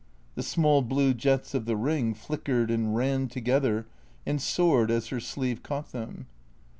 The small blue jets of the ring flickered and ran together and soared as her sleeve caught them.